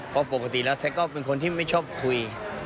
เพราะปกติแล้วแซ็กก็เป็นคนที่ไม่ชอบคุย